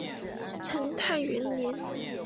成泰元年。